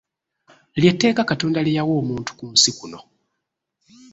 Lye tteeka Katonda lye yawa omuntu ku nsi kuno.